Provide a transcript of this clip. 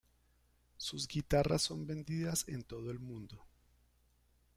Sus guitarras son vendidas en todo el mundo.